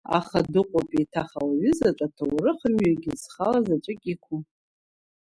Аха дыҟоуп еиҭах ауаҩызаҵә, аҭоурыхмҩагьы зхала заҵәык иқәу.